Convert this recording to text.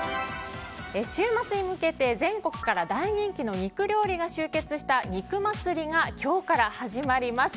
週末に向けて全国から大人気の肉料理が終結した肉祭が今日から始まります。